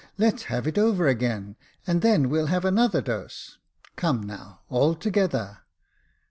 Let's have it over again, and then we'll have another dose. Come, now, all together."